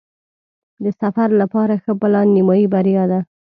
د سفر لپاره ښه پلان نیمایي بریا ده.